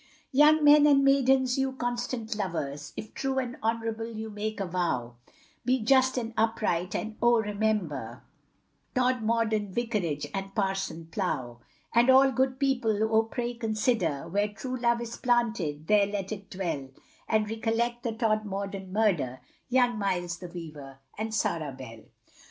Young men and maidens, you constant lovers, If true and honourable you make a vow, Be just and upright and oh, remember, Todmorden Vicarage, and Parson Plow; And all good people, oh, pray consider, Where true love is planted, there let it dwell, And recollect the Todmorden murder, Young Miles the weaver, and Sarah Bell.